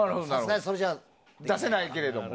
それじゃあ出せないけれども。